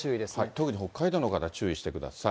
特に、北海道の方、注意してください。